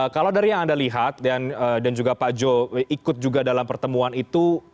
kalau dari yang anda lihat dan juga pak jo ikut juga dalam pertemuan itu